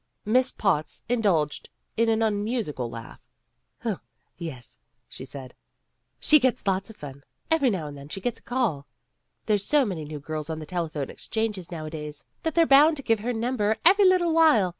Miss Potts indulged in an unmusical laugh. "Oh, yes," she said. "She gets lots of fun. Every now and then she gets a call. There's so many new girls on the telephone exchanges nowadays, that they're bound to give her num ber every little while.